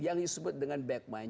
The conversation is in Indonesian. yang disebut dengan backman